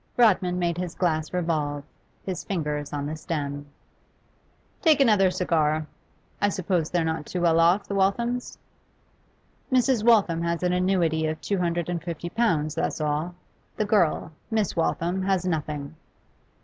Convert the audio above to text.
Rodman made his glass revolve, his fingers on the stem. 'Take another cigar. I suppose they're not too well off, the Walthams?' 'Mrs. Waltham has an annuity of two hundred and fifty pounds, that's all. The girl Miss Waltham has nothing.